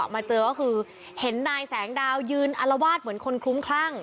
มาเจอก็คือเห็นนายแสงดาวยืนอลวาดเหมือนคนคลุ้มคลั่ง